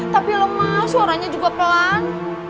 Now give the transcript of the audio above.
tapi lemah suaranya juga pelan